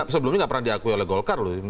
sebelum ini tidak pernah diakui oleh golkar loh